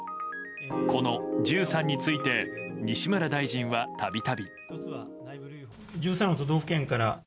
この１３について西村大臣は度々。